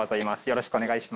よろしくお願いします。